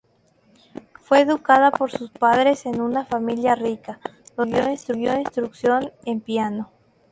Fue educada por sus padres en una familia rica, donde recibió instrucción en piano.